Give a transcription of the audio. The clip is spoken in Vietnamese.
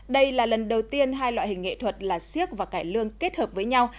đây là lần đầu tiên hai loại hình nghệ thuật là siếc và cải lương kết hợp với nhau